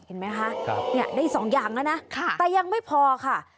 เห็นไหมคะได้๒อย่างนะนะแต่ยังไม่พอค่ะค่ะ